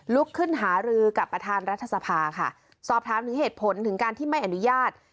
ลุกขึ้นหารือกับประธานรัฐสภาค่ะสอบถามถึงเหตุผลถึงการที่ไม่อนุญาต